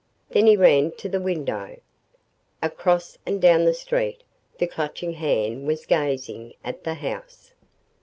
Then he ran to the window. Across and down the street, the Clutching Hand was gazing at the house.